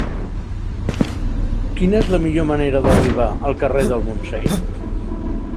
Quina és la millor manera d'arribar al carrer del Montseny?